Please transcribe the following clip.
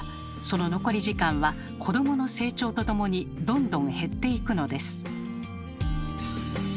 その残り時間は子どもの成長とともにどんどん減っていくのです。